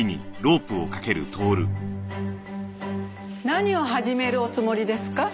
何を始めるおつもりですか？